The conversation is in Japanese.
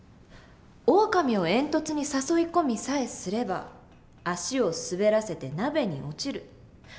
オオカミを煙突に誘い込みさえすれば足を滑らせて鍋に落ちる。